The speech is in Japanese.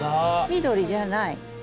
緑じゃない。